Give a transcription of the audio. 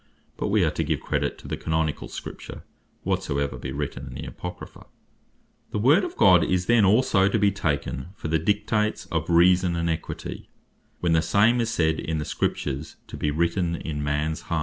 But wee are to give credit to the Canonicall Scripture, whatsoever be written in the Apocrypha. The Word of God, is then also to be taken for the Dictates of reason, and equity, when the same is said in the Scriptures to bee written in mans heart; as Psalm 36.